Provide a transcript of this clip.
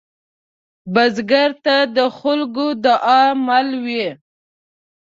بزګر ته د خلکو دعاء مل وي